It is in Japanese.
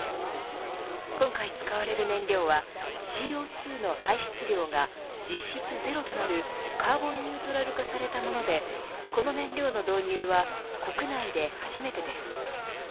今回使われる燃料はＣＯ２の排出量が実質ゼロとなるカーボンニュートラル化されたものでこの燃料の導入は国内で初めてです。